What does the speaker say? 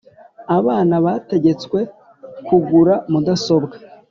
Abana bategetswe kugura mudasobwa.